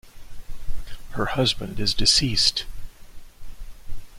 Her husband is deceased.